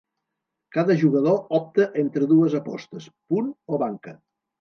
Cada jugador opta entre dues apostes: punt o banca.